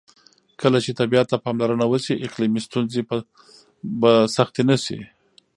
کله چې طبیعت ته پاملرنه وشي، اقلیمي ستونزې به سختې نه شي.